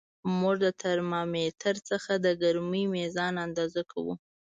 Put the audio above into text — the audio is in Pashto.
موږ د ترمامتر څخه د ګرمۍ میزان اندازه کوو.